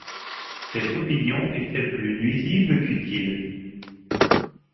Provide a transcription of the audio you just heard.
Cette opinion est-elle plus nuisible qu’utile?